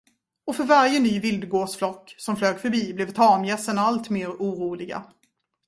Och för varje ny vildgåsflock, som flög förbi, blev tamgässen alltmer oroliga.